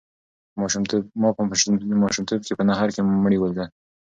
ما په ماشومتوب کې په نهر کې مړي ولیدل.